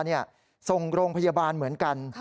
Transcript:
ส่งโรงพยาบาลเหมือนกัน